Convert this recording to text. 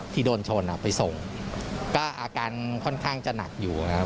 ที่โดนชนไปส่งก็อาการค่อนข้างจะหนักอยู่นะครับ